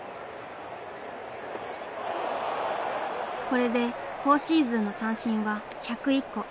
これで今シーズンの三振は１０１個。